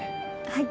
はい。